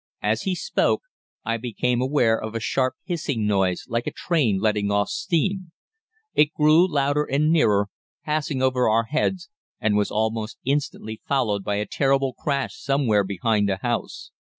"As he spoke I became aware of a sharp, hissing noise like a train letting off steam. It grew louder and nearer, passed over our heads, and was almost instantly followed by a terrible crash somewhere behind the house.